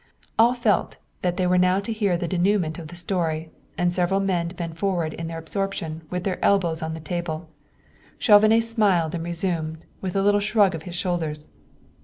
All felt that they were now to hear the dénouement of the story, and several men bent forward in their absorption with their elbows on the table. Chauvenet smiled and resumed, with a little shrug of his shoulders.